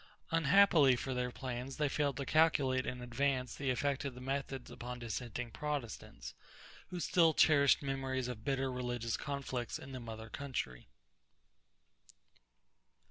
Unhappily for their plans they failed to calculate in advance the effect of their methods upon dissenting Protestants, who still cherished memories of bitter religious conflicts in the mother country.